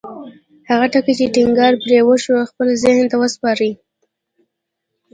هغه ټکي چې ټينګار پرې وشو خپل ذهن ته وسپارئ.